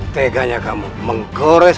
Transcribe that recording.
teganya kamu menggores